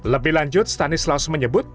lebih lanjut stanislaus menyebut